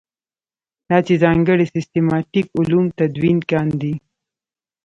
دا چې ځانګړي سیسټماټیک علوم تدوین کاندي.